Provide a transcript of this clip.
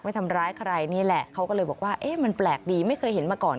ทำร้ายใครนี่แหละเขาก็เลยบอกว่าเอ๊ะมันแปลกดีไม่เคยเห็นมาก่อน